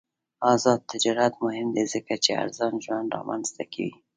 آزاد تجارت مهم دی ځکه چې ارزان ژوند رامنځته کوي.